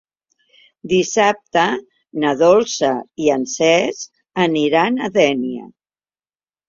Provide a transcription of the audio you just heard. Dissabte na Dolça i en Cesc aniran a Dénia.